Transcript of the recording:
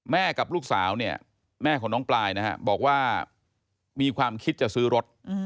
แม่กับลูกสาวแม่ของน้องปลายบอกว่ามีความคิดจะซื้อรถ